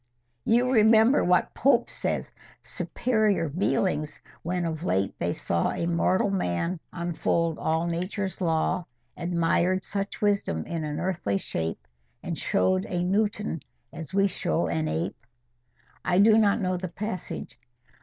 You remember what Pope says,— 'Superior beings, when of late they saw A mortal man unfold all Nature's law, Admired such wisdom in an earthly shape, And show'd a Newton as we show an ape'?" "I do not know the passage.